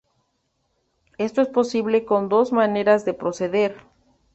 Esto es posible con dos maneras de proceder.